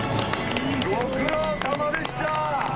ご苦労さまでした！